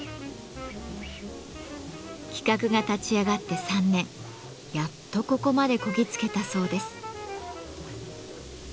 企画が立ち上がって３年やっとここまでこぎ着けたそうです。